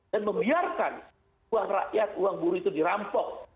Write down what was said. dan membiarkan uang rakyat uang buruh itu dirampok